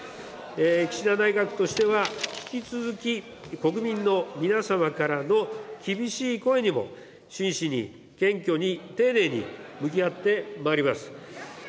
岸田内閣としては引き続き国民の皆様からの厳しい声にも真摯に謙虚に丁寧に向き合ってまいります。